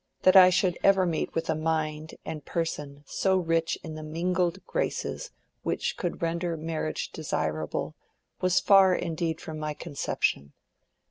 That I should ever meet with a mind and person so rich in the mingled graces which could render marriage desirable, was far indeed from my conception.